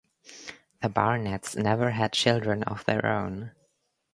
The Barnetts never had children of their own.